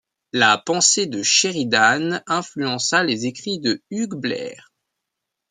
La pensée de Sheridan influença les écrits de Hugh Blair.